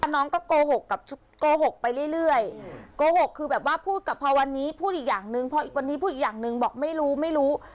น้องก็โกหกกับโกหกไปเรื่อยโกหกคือแบบว่าพูดกับพอวันนี้พูดอีกอย่างนึงพออีกวันนี้พูดอีกอย่างหนึ่งบอกไม่รู้ไม่รู้